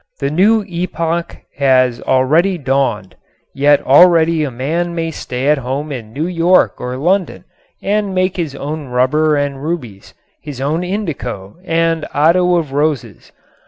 The new epoch has hardly dawned, yet already a man may stay at home in New York or London and make his own rubber and rubies, his own indigo and otto of roses.